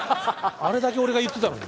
あれだけ俺が言ってたのに。